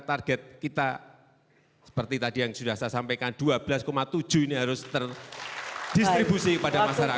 target kita seperti tadi yang sudah saya sampaikan dua belas tujuh ini harus terdistribusi kepada masyarakat